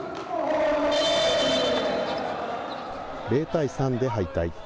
０対３で敗退。